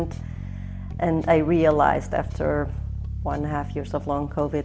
dan saya menyadari setelah satu lima tahun long covid